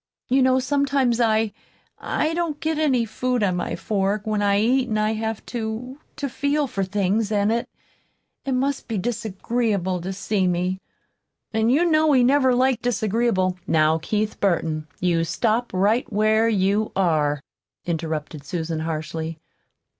"You know sometimes I I don't get any food on my fork, when I eat, an' I have to to feel for things, an' it it must be disagreeable to see me. An' you know he never liked disagreeable " "Now, Keith Burton, you stop right where you are," interrupted Susan harshly.